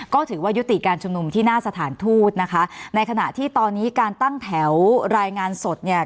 ก็ถือว่ายุติการชุมนุมที่หน้าสถานทูตนะคะในขณะที่ตอนนี้การตั้งแถวรายงานสดเนี่ย